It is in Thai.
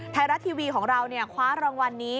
ไทยรัฐทีวีของเราคว้ารางวัลนี้